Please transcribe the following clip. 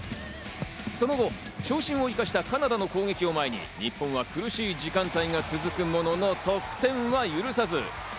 その後、長身を生かしたカナダの攻撃を前に日本は苦しい時間帯が続くものの、得点は許さず。